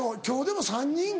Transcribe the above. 今日でも３人。